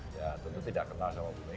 ya tentu tidak kenal